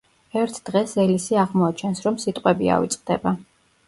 ერთ დღეს, ელისი აღმოაჩენს, რომ სიტყვები ავიწყდება.